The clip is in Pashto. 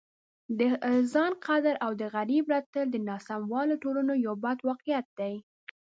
د خان قدر او د غریب رټل د ناسالمو ټولنو یو بد واقعیت دی.